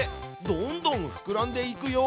どんどんふくらんでいくよ！